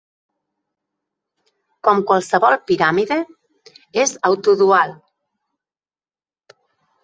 Com qualsevol piràmide, és autodual.